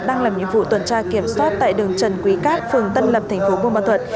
đang làm nhiệm vụ tuần tra kiểm soát tại đường trần quý cát phường tân lập thành phố buôn ma thuật